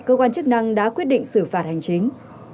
cơ quan chức năng đã quyết định xử phạt hành chính